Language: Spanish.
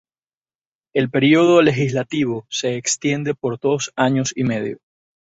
El periodo legislativo se extiende por dos años y medio.